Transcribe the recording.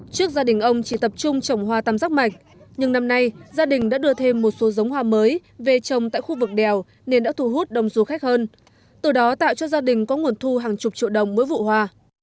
trước gia đình ông chỉ tập trung trồng hoa tam giác mạch nhưng năm nay gia đình đã đưa thêm một số giống hoa mới về trồng tại khu vực đèo nên đã thu hút đông du khách hơn từ đó tạo cho gia đình có nguồn thu hàng chục triệu đồng mỗi vụ hoa